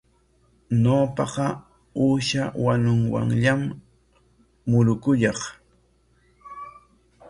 Ñawpaqa uusha wanuwanllam murukuyaq.